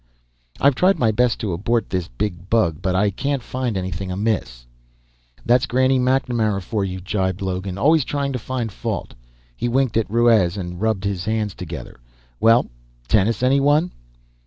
"I've tried my best to abort this big bug, but I can't find anything amiss." "That's Granny MacNamara for you," jibed Logan. "Always trying to find fault." He winked at Ruiz and rubbed his hands together. "Well tennis, anyone?"